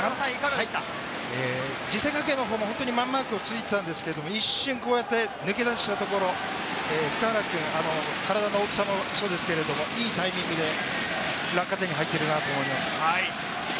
実践学園のほうもマンマークついてたんですけれど、一瞬こうやって抜け出したところ、体の大きさもそうですけれど、いいタイミングで落下点に入ってるなと思います。